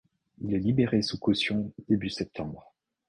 Il est libéré sous caution début septembre.